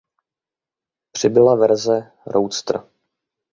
Přibyla verze roadster.